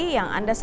yang anda sebutkan